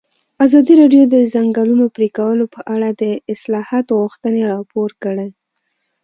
ازادي راډیو د د ځنګلونو پرېکول په اړه د اصلاحاتو غوښتنې راپور کړې.